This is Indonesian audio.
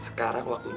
sekarang waktunya kita